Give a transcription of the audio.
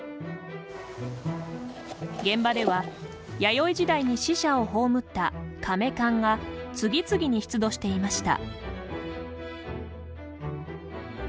現場では弥生時代に死者を葬った、かめ棺が次々に出土していました。